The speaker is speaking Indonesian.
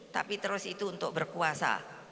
tapi terus itu untuk berkuasa